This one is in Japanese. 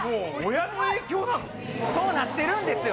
そうなってるんですよ。